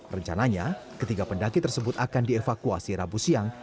rencananya ketiga pendaki tersebut akan dievakuasi rabu siang